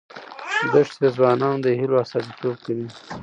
دښتې د ځوانانو د هیلو استازیتوب کوي.